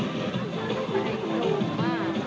เตะไม่มิรัน